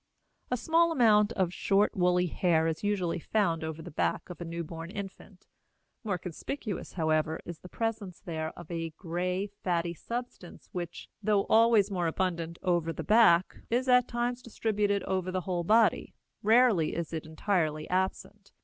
A small amount of short wooly hair is usually found over the back of a newborn infant. More conspicuous, however, is the presence there of a gray, fatty substance which, though always more abundant over the back, is at times distributed over the whole body; rarely is it entirely absent.